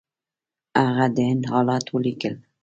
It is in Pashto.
هغه د هند حالات ولیکل.